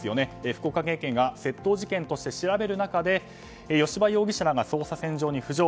福岡県警が窃盗事件として調べる中で吉羽容疑者が捜査線上に浮上。